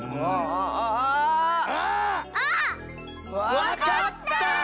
わかった！